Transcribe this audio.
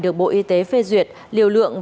được bộ y tế phê duyệt liều lượng